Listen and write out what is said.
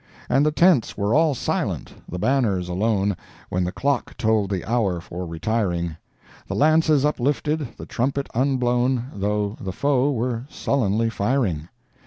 And the tents were all silent, the banners alone, When the clock told the hour for retiring— The lances uplifted, the trumpet unblown, Though the foe were sullenly firing.